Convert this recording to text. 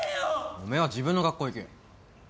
おめえは自分の学校行け。